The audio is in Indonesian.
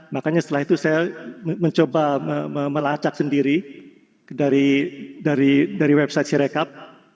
makanya setelah itu saya mencoba melacak sendiri dari website sirekap